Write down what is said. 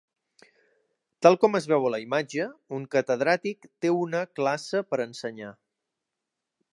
Tal com es veu a la imatge, un Catedràtic "té una" classe per ensenyar.